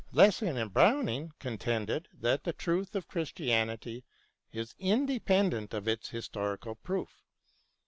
Lessing and Browning contended that the truth of Christianity is independent of its historical proof.